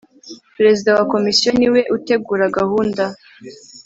perezida wa komisiyo ni we utegura gahunda